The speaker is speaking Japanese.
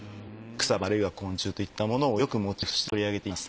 草花あるいは昆虫といったものをよくモチーフとして取り上げています。